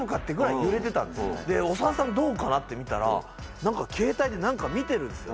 で長田さんどうかな？って見たらケータイで何か見てるんですよ。